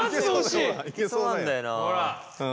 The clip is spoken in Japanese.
いけそうなんだよな。